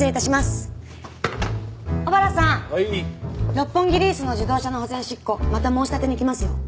六本木リースの自動車の保全執行また申し立てに来ますよ。